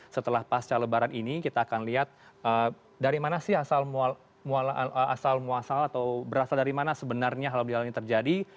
setelah pasca lebaran ini kita akan lihat dari mana sih asal muasal atau berasal dari mana sebenarnya halal bihalal ini terjadi